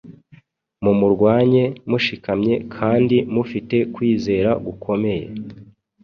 mumurwanye mushikamye, kandi mufite kwizera gukomeye…”